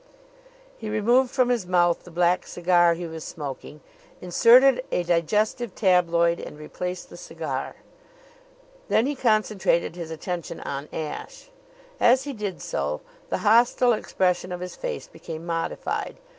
He removed from his mouth the black cigar he was smoking, inserted a digestive tabloid, and replaced the cigar. Then he concentrated his attention on Ashe. As he did so the hostile expression of his face became modified.